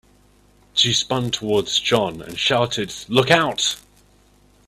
She spun towards John and shouted, "Look Out!"